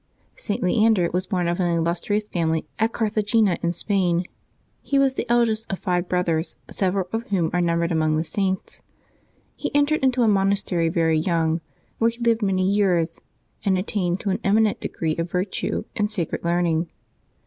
;r. Leander was born of an illustrious family at Gartha^ gena in Spain. He was the eldest of five brothers, several of whom are numbered among the Saints. He entered into a monastery very young, where he lived many years and attained to an eminent degree of virtue and sacred learning.